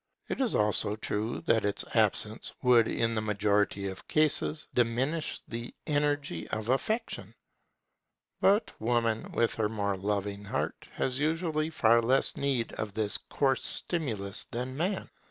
It is also true that its absence would in the majority of cases, diminish the energy of affection. But woman with her more loving heart, has usually far less need of this coarse stimulus than man.